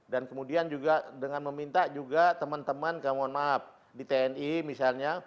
dan kemudian juga dengan meminta juga teman teman ke mohon maaf di tni misalnya